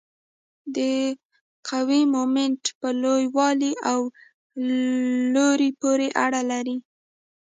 د قوې مومنت په لوی والي او لوري پورې اړه لري.